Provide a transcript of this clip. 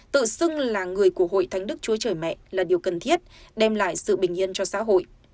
tự xưng là người của hội thánh đức chúa trời mẹ là điều cần thiết đem lại sự bình yên cho xã hội